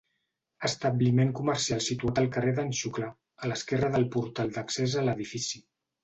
Establiment comercial situat al carrer d'en Xuclà, a l'esquerre del portal d'accés a l'edifici.